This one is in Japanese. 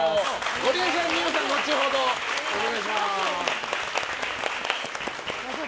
ゴリエさん、二葉さんは後ほどお願いします。